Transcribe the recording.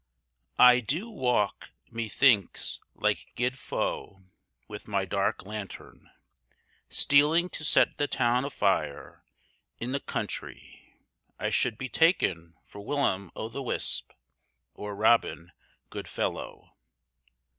I do walk Methinks like Guide Vaux, with my dark lanthorn, Stealing to set the town o' fire; i' th' country I should be taken for William o' the Wisp, Or Robin Goodfellow.